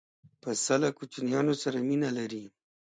پسه له کوچنیانو سره مینه لري.